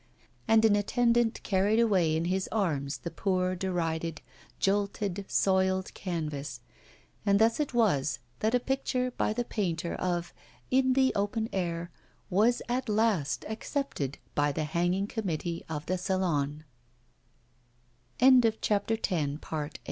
And an attendant carried away in his arms the poor derided, jolted, soiled canvas; and thus it was that a picture by the painter of 'In the Open Air' was at last accepted by the hanging committee of the Salon.